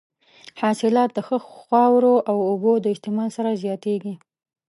حاصلات د ښه خاورو او اوبو د استعمال سره زیاتېږي.